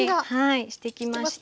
してきました。